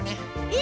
え！